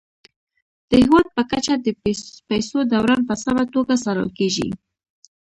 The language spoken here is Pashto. د هیواد په کچه د پيسو دوران په سمه توګه څارل کیږي.